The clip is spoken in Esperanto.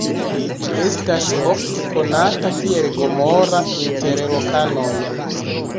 Ĝi estas ofte konata kiel "Gomora" inter lokanoj.